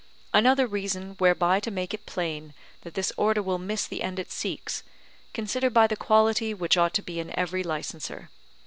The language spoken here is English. Another reason, whereby to make it plain that this Order will miss the end it seeks, consider by the quality which ought to be in every licenser.